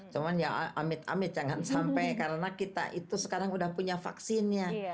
cuma ya amit amit jangan sampai karena kita itu sekarang udah punya vaksinnya